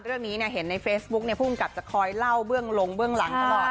เรื่องนี้เนี่ยเห็นในเฟซบุ๊คเนี่ยผู้กำกับจะคอยเล่าเบื้องลงเบื้องหลังตลอด